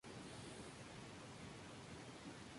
Ella todavía empuña una cadena como su arma personal.